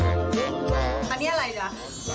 อันนี้อะไรล่ะ